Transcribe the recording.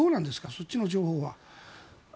そっちの情報は。